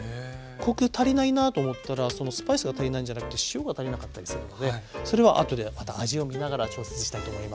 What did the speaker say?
コク足りないなと思ったらスパイスが足りないんじゃなくて塩が足りなかったりするのでそれはあとでまた味をみながら調節したいと思います。